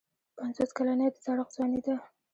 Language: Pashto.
پنځوس کلني د زړښت ځواني ده.